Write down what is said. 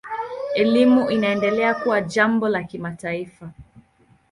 Elimu inaendelea kuwa jambo la kimataifa.